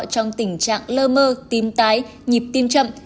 trong tình trạng lơ mơ tím tái nhịp tim chậm